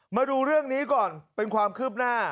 มาดูเรื่องนี้ก่อนเป็นความคืบหน้า